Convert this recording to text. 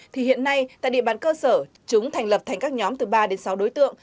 thì hiện nay tại địa bàn cơ sở chúng thành lập thành các nhóm từ ba đến sáu đối tượng